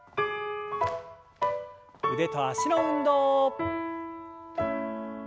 腕と脚の運動。